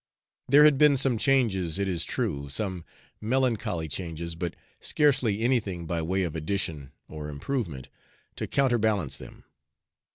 There had been some changes, it is true, some melancholy changes, but scarcely anything by way of addition or improvement to counterbalance them.